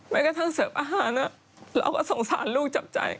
แม้กระทั่งเสิร์ฟอาหารเราก็สงสารลูกจับใจ